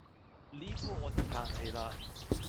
呢鋪我就撐你嘞